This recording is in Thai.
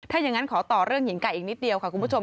ถ้าอย่างนั้นขอต่อเรื่องหญิงไก่อีกนิดเดียวค่ะคุณผู้ชม